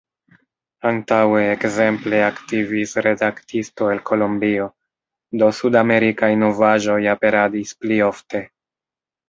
Antaŭe ekzemple aktivis redaktisto el Kolombio, do sudamerikaj novaĵoj aperadis pli ofte.